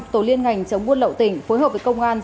tổ liên ngành chống buôn lậu tỉnh phối hợp với công an